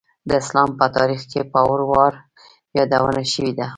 د اسلام په تاریخ کې په وار وار یادونه شوېده.